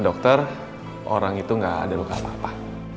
dokter orang itu gak ada luka apa apa